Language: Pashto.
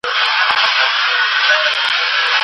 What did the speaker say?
ملي عاید د اقتصادي فعالیتونو له لاري لوړیږي.